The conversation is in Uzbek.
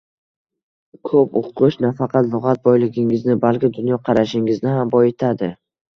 Koʻp oʻqish nafaqat lugʻat boyligingizni, balki dunyoqarashingizni ham boyitadi